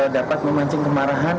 dapat memancing kemarahan